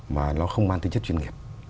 mà nó không mang tính chất chuyên nghiệp